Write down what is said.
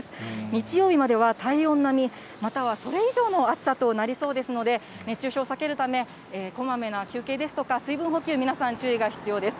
日曜日までは体温並み、またはそれ以上の暑さとなりそうですので、熱中症避けるため、こまめな休憩ですとか水分補給、皆さん、注意が必要です。